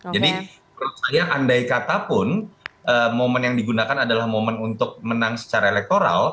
jadi menurut saya andai katapun momen yang digunakan adalah momen untuk menang secara elektoral